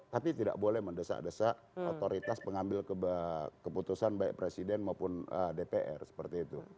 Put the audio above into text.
tapi tidak boleh mendesak desak otoritas pengambil keputusan baik presiden maupun dpr seperti itu